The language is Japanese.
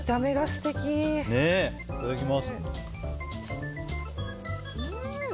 いただきます。